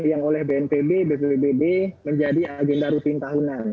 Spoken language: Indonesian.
yang oleh bnpb bpbd menjadi agenda rutin tahunan